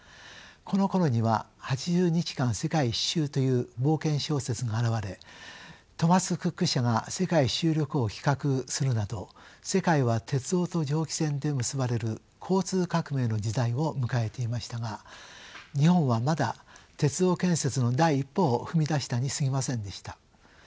このころには「八十日間世界一周」という冒険小説が現れトーマス・クック社が世界一周旅行を企画するなど世界は鉄道と蒸気船で結ばれる交通革命の時代を迎えていましたが日本はまだ鉄道建設の第一歩を踏み出したにすぎませんでした。